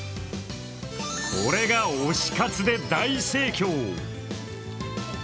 これが推し活で大盛況。